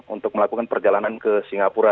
untuk melakukan perjalanan ke singapura